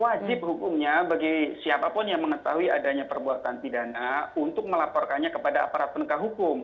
wajib hukumnya bagi siapapun yang mengetahui adanya perbuatan pidana untuk melaporkannya kepada aparat penegak hukum